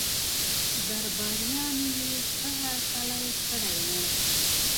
درباریانو یې ښه هرکلی کړی وو.